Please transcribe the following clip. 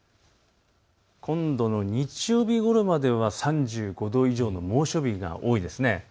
今度の日曜日ごろまでは３５度以上の猛暑日が多いです。